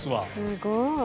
すごい！